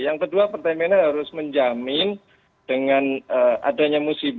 yang kedua pertamina harus menjamin dengan adanya musibah